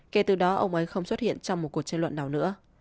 kể từ đó ông ấy không xuất hiện trong một cuộc tranh luận nào nữa